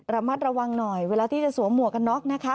ระมัดระวังหน่อยเวลาที่จะสวมหมวกกันน็อกนะคะ